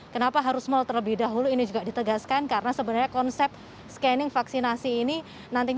kenapa harus mal terlebih dahulu ini juga ditegaskan karena sebenarnya konsep scanning vaksinasi ini